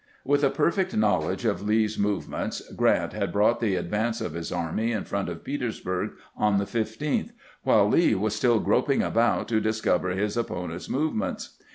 With a perfect knowledge of Lee's movements, Grant had brought the advance of his army W. F. SMITH'S ATTACK ON PETEESBUKG 203 in front of Petersburg on the 15th, while Lee was still groping about to discover his opponent's movements.